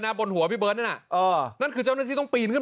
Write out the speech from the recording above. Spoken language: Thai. บนหัวพี่เบิร์ตนั่นน่ะเออนั่นคือเจ้าหน้าที่ต้องปีนขึ้น